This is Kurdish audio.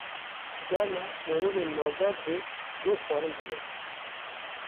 Carna merivên maldar jî bê xwarin diman